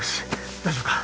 大丈夫か？